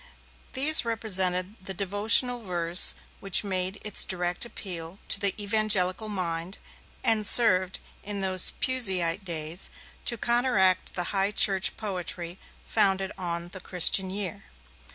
These represented the devotional verse which made its direct appeal to the evangelical mind, and served in those 'Puseyite' days to counteract the High Church poetry founded on 'The Christian Year'.